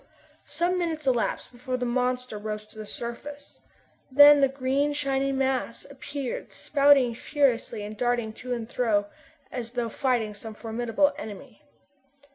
Some minutes elapsed before the monster rose to the surface. Then the green shiny mass appeared spouting furiously and darting to and fro as though fighting with some formidable enemy.